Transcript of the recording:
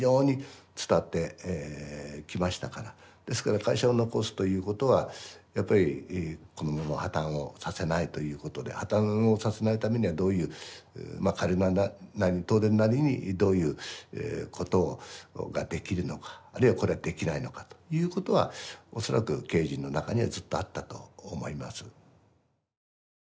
ですから会社を残すということはやっぱりこのまま破綻をさせないということで破綻をさせないためにはどういう彼らなりに東電なりにどういうことができるのかあるいはこれはできないのかということは恐らく経営陣の中にはずっとあったと思います。